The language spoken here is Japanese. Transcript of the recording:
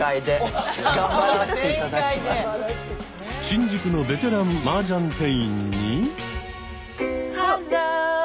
新宿のベテランマージャン店員に。